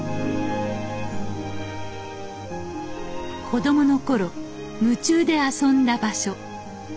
子どもの頃夢中で遊んだ場所。